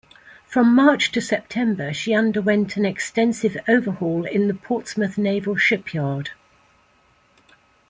From March to September she underwent an extensive overhaul in the Portsmouth Naval Shipyard.